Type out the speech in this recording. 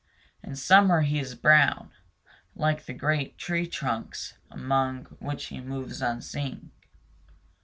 In summer he is brown, like the great tree trunks among which he moves unseen.